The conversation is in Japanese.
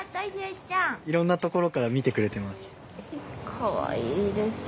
いろんなところから見てくれてます。